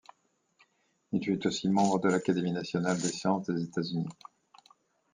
Il fut aussi membre de l'Académie nationale des sciences des États-Unis.